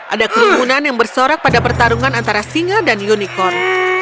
ada kerumunan yang bersorak pada pertarungan antara singa dan unicorn